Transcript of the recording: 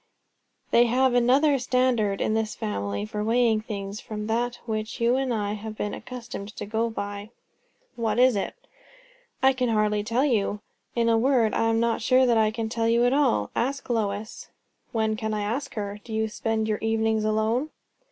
"They have another standard in this family for weighing things, from that which you and I have been accustomed to go by." "What is it?" "I can hardly tell you, in a word. I am not sure that I can tell you at all. Ask Lois." "When can I ask her? Do you spend your evenings alone?"